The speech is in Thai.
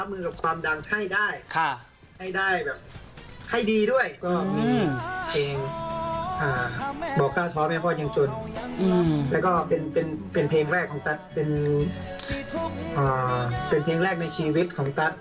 เราเลยใกล้แพงจนแล้วก็เป็นเพลงแรกในชีวิตของตั๊ด